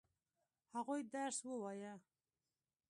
هغوی درس ووايه؟